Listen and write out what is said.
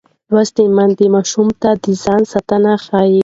لوستې میندې ماشوم ته د ځان ساتنه ښيي.